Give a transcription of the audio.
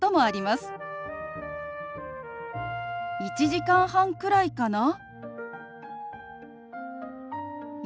「１時間半くらいかな」。